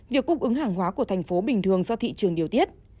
việc cung ứng hàng hóa của thành phố bình thường do thị trường điều tiết